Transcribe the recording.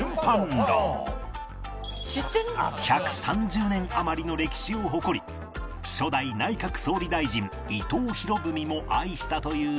１３０年余りの歴史を誇り初代内閣総理大臣伊藤博文も愛したという由緒ある店